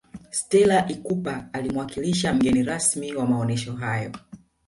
stella ikupa alimuwakilisha mgeni rasmi wa maonesho hayo